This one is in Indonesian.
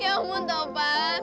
ya umum tapan